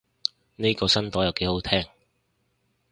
呢個新朵又幾好聽